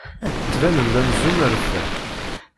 Ttbanen-d amzun rfan.